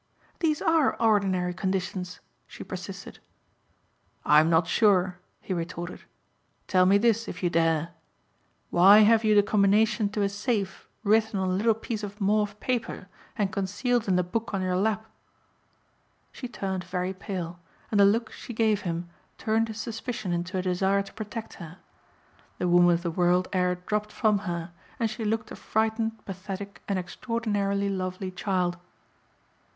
"These are ordinary conditions," she persisted. "I'm not sure," he retorted. "Tell me this if you dare. Why have you the combination to a safe written on a little piece of mauve paper and concealed in the book on your lap?" She turned very pale and the look she gave him turned his suspicion into a desire to protect her. The woman of the world air dropped from her and she looked a frightened pathetic and extraordinarily lovely child.